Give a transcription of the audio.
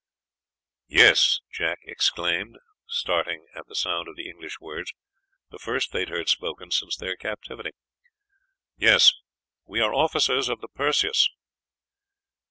"Yes!" Jack exclaimed, starting at the sound of the English words, the first they had heard spoken since their captivity. "Yes, we are officers of the Perseus."